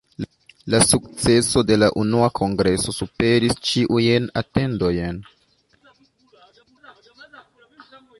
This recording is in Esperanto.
La sukceso de la unua kongreso superis ĉiujn atendojn.